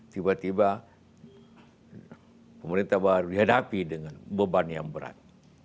tiba tiba pemerintah baru dihadapi dengan beban yang berat